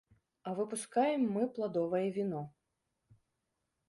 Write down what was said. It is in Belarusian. А выпускаем мы пладовае віно.